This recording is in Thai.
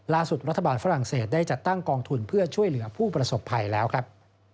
รัฐบาลฝรั่งเศสได้จัดตั้งกองทุนเพื่อช่วยเหลือผู้ประสบภัยแล้วครับ